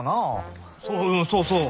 そうそうそう！